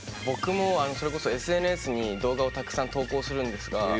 僕もあのそれこそＳＮＳに動画をたくさん投稿するんですが。